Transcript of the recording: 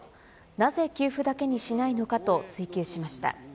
なぜ給付だけにしないのかと追及しました。